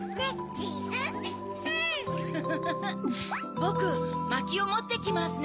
ボクまきをもってきますね。